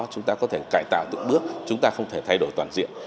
chúng ta có thể cải tạo từng bước chúng ta không thể thay đổi toàn diện